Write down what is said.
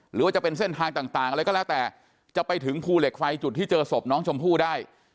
หรือว่าจะเป็นเส้นทางต่างอะไรก็แล้วแต่จะไปถึงภูเหล็กไฟจุดที่เจอศพน้องชมพู่ได้